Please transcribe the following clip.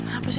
hah apa sih